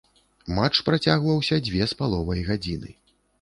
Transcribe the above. Матч працягваўся дзве з паловай гадзіны.